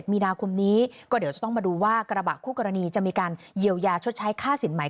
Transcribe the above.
ผมยังไม่เคยเห็นเงินจากเขาเลย